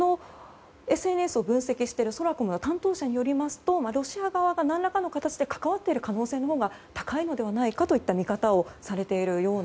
このＳＮＳを分析しているソラコムの担当者によりますとロシア側が何らかの形で関わっている形のほうが多いのではないかという見方をしています。